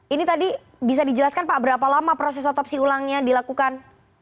ini tadi bisa dijelaskan pak berapa lama proses otopsi ulangnya dilakukan